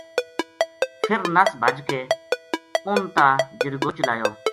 فر نس بھج کے ان تا جرگو چلایو